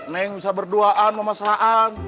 neng bisa berduaan memaslahan